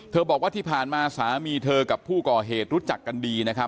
บอกว่าที่ผ่านมาสามีเธอกับผู้ก่อเหตุรู้จักกันดีนะครับ